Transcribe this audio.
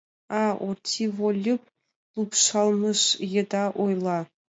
А Орти Выльып лупшалмыж еда ойла: